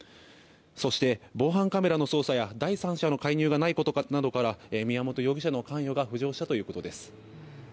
そして防犯カメラの捜査や第三者の介入がないことなどから宮本容疑者の関与が浮上したということです。